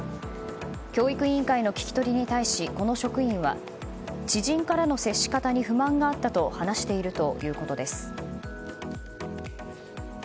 教育委員会の聞き取りに対しこの職員は知人からの接し方に不満があったと話しているということです。